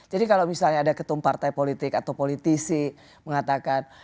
jadi kalau misalnya ada ketum partai politik atau politisi mengatakan